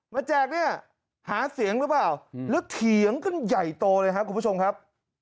แจกเนี่ยหาเสียงหรือเปล่าแล้วเถียงกันใหญ่โตเลยครับคุณผู้ชมครับ